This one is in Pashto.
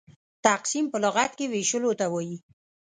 تقسيم په لغت کښي وېشلو ته وايي.